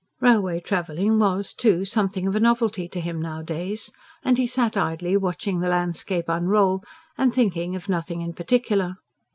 Railway travelling was, too, something of a novelty to him nowadays; and he sat idly watching the landscape unroll, and thinking of nothing in particular.